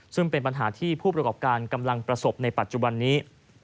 ซึ่งเป็นปัญหาที่ผู้ประกอบการกำลังประสบในปัจจุบันนี้